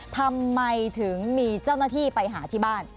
ทำไมถึงมีเจ้าหน้าที่ไปหาที่บ้าน